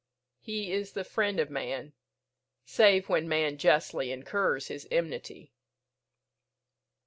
He is the friend of man, save when man justly incurs his enmity."